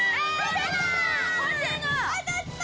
当たったー！